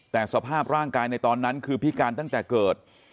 แต่สภาพร่างกายในตอนนั้นคือพิการตั้งแต่เกิด